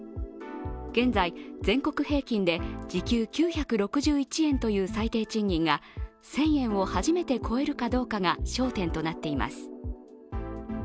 現在、全国平均で時給９６１円という最低賃金が１０００円を初めて超えるかどうかが焦点となっています。